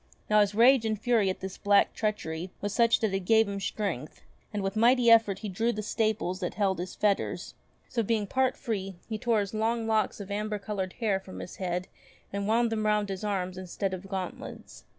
Now his rage and fury at this black treachery was such that it gave him strength, and with mighty effort he drew the staples that held his fetters ; so being part free he tore his long locks of amber coloured hair from his head and wound them round his arms instead of gauntlets.